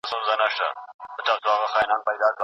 صنعتي انقلاب لویه بدلون راوست.